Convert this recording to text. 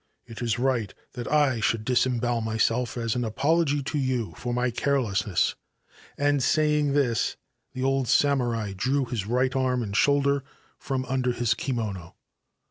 It is right that I should disembowel yself as an apology to you for my carelessness.' And, ying this, the old samurai drew his right arm and toulder from under his kimono.